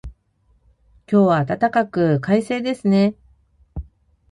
今日は暖かく、快晴ですね。